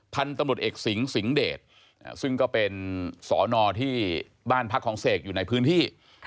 พันธุ์ตำรวจเอกสิงสิงห์เดชซึ่งก็เป็นสอนอที่บ้านพักของเสกอยู่ในพื้นที่